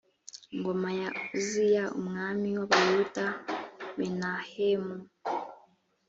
ngoma ya uziya umwami w abayuda menahemu